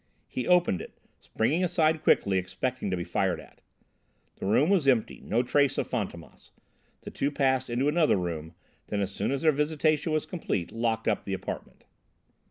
He opened it, springing aside quickly, expecting to be fired at. The room was empty, no trace of Fantômas. The two passed into another room, then as soon as their visitation was completed locked up the apartment.